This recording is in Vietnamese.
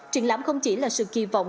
triển lãm không chỉ là sự kỳ vọng